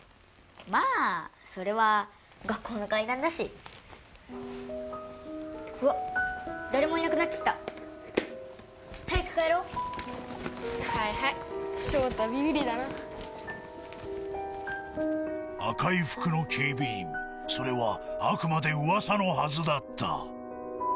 まあそれは学校の怪談だしうわっ誰もいなくなっちゃった早く帰ろうはいはいショウタビビリだな赤い服の警備員それはあくまで噂のはずだった